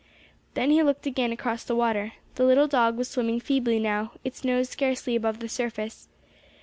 Then he looked again across the water. The little dog was swimming feebly now, its nose scarcely above the surface.